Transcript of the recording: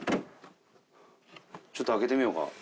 ちょっと開けてみようか。